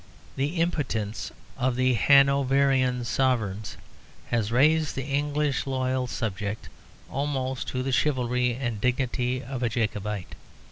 The impotence of the Hanoverian Sovereigns has raised the English loyal subject almost to the chivalry and dignity of a Jacobite.